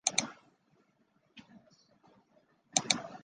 给我一对翅膀